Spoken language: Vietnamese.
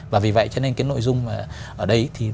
và vì vậy cho nên nội dung ở đây